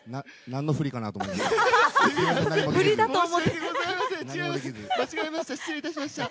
何の振りかなと思いました。